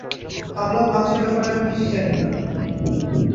হামলা ও ভাঙচুরের ব্যাপারে আমি কিছুই জানি না।